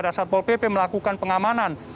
dasar pol pp melakukan pengamanan